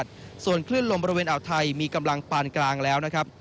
ส่วนคลื่นลมบริเวณอ่าวไทยมีกำลังปานกลางแล้วนะครับ